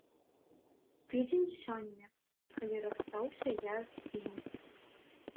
Тыдзень сёння, калі расстаўся я з ім.